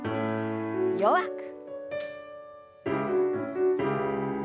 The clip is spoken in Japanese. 弱く。